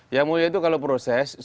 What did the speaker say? yang mulia itu kalau proses